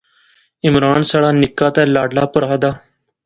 عمران ساڑا نکا تے لاڈلا پرہا دا